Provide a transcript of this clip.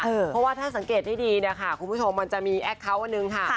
เพราะว่าถ้าสังเกตให้ดีคุณผู้ชมมันจะมีแอคเคาท์อันนึงค่ะ